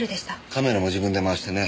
カメラも自分で回してね。